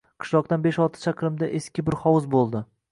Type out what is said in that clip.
Qishloqtsan besh-olti chaqirimda eski bir hovuz bo‘ldi.